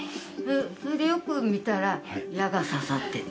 それでよく見たら、矢が刺さってた。